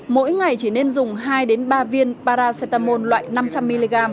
mỗi ngày chỉ nên dùng hai ba viên paracetamol loại năm trăm linh mg